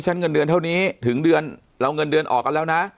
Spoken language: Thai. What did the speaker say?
เงินเดือนเท่านี้ถึงเดือนเราเงินเดือนออกกันแล้วนะ